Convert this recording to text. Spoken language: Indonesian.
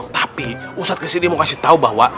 tapi ustaz kesini mau kasih tau bahwa